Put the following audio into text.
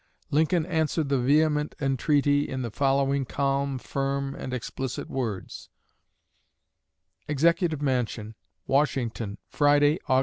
Lincoln answered the vehement entreaty in the following calm, firm, and explicit words: EXECUTIVE MANSION, WASHINGTON, Friday, Aug.